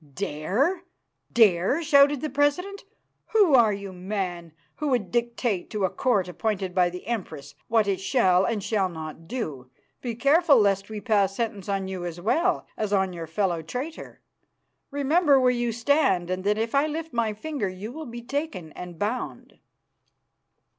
"Dare! Dare!" shouted the president. "Who are you, man, who would dictate to a Court appointed by the Empress what it shall or shall not do? Be careful lest we pass sentence on you as well as on your fellow traitor. Remember where you stand, and that if I lift my finger you will be taken and bound."